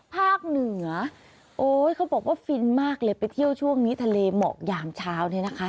ภาคเหนือเขาบอกว่าฟินมากเลยไปเที่ยวช่วงนี้ทะเลหมอกยามเช้า